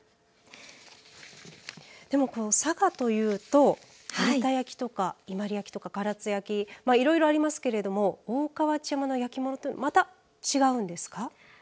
でも、この佐賀というと有田焼とか伊万里焼とか唐津焼いろいろありますけれども大川内山の焼き物というのはまた違うんですか。